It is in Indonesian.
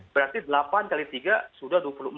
berarti delapan kali tiga sudah dua puluh empat